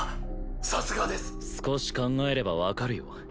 さすがです少し考えれば分かるよ